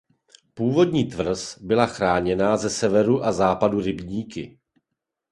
Původní tvrz byla chráněná ze severu a západu rybníky.